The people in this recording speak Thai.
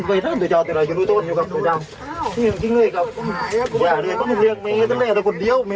กว่าเล่นกว่าเล่นกว่าเล่นกว่าเล่นกว่าเล่นกว่าเล่นกว่าเล่นจะมีสีแดงอมทมภูมิ